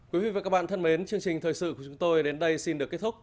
quý vị và các bạn thân mến chương trình thời sự của chúng tôi đến đây xin được kết thúc